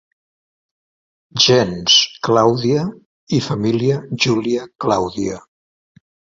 Gens Clàudia, i família Júlia-Clàudia.